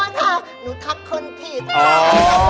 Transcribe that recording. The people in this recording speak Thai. อุ๊ยขอโทษค่ะหนูทักคนผิดค่ะ